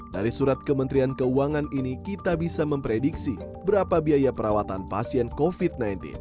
dari surat kementerian keuangan ini kita bisa memprediksi berapa biaya perawatan pasien covid sembilan belas